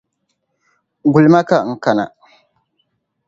Gulima ka n kana.